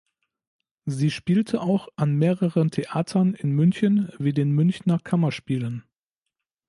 Sie spielte auch an mehreren Theatern in München wie den Münchner Kammerspielen.